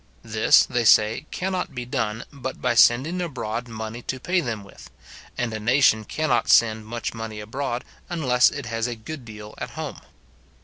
This, they say, cannot be done, but by sending abroad money to pay them with; and a nation cannot send much money abroad, unless it has a good deal at home.